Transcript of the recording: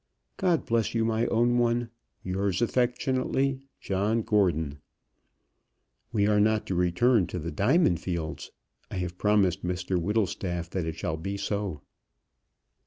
God bless you, my own one. Yours affectionately, JOHN GORDON. We are not to return to the diamond fields. I have promised Mr Whittlestaff that it shall be so.